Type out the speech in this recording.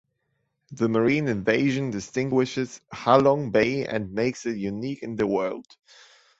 The marine invasion distinguishes Ha Long Bay and makes it unique in the world.